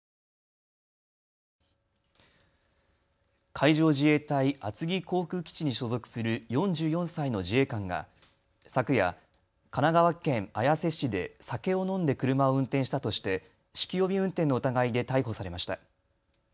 海上自衛隊厚木航空基地に所属する４４歳の自衛官が昨夜、神奈川県綾瀬市で酒を飲んで車を運転したとして酒気帯び運転の疑いで逮捕されました。